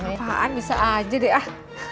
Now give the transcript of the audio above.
apaan bisa aja deh ah